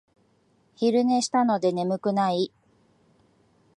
昼寝したので眠くない